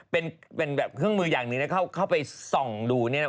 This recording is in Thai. เป็นแบบเครื่องมืออย่างหนึ่งนะเข้าไปส่องดูเนี่ยนะ